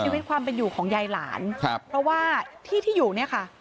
ชีวิตความเป็นอยู่ของยายหลานครับเพราะว่าที่ที่อยู่เนี่ยค่ะ